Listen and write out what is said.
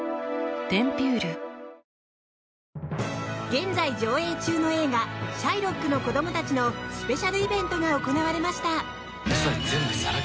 現在上映中の映画「シャイロックの子供たち」のスペシャルイベントが行われました。